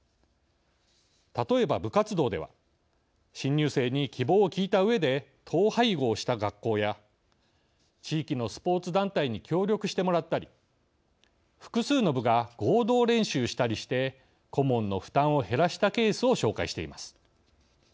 例えば、部活動では新入生に希望を聞いたうえで統廃合した学校や地域のスポーツ団体に協力してもらったり複数の部が合同練習したりして顧問の負担を減らしたケースを紹介しています。